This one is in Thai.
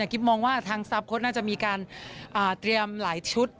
กิ๊บมองว่าทางซาฟโค้ดน่าจะมีการเตรียมหลายชุด